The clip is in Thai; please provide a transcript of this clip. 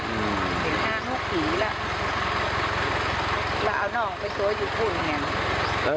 อืมเป็นห้านูกหีแล้วแล้วเอาน้องไปตัวอยู่ทุกอย่างเนี่ย